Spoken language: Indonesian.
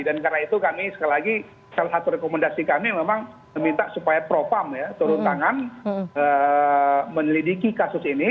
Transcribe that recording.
dan karena itu kami sekali lagi salah satu rekomendasi kami memang meminta supaya propam ya turun tangan menelidiki kasus ini